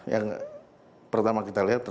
yang pertama kita lihat